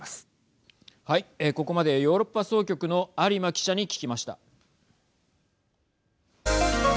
ここまでヨーロッパ総局の有馬記者に聞きました。